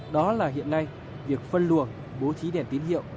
đó là hiện nay việc phân luồng bố trí đèn tín hiệu